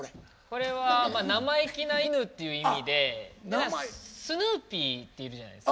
これは「生意気な犬」っていう意味でスヌーピーっているじゃないですか。